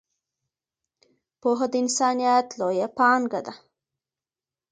پوهه د انسانیت لویه پانګه ده.